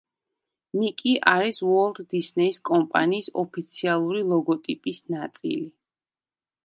მიკი არის უოლტ დისნეის კომპანიის ოფიციალური ლოგოტიპის ნაწილი.